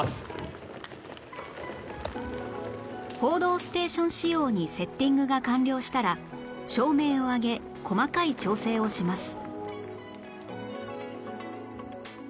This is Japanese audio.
『報道ステーション』仕様にセッティングが完了したら照明を上げ細かい調整をします